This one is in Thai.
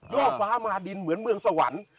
่อฟ้ามาดินเหมือนเมืองสวรรค์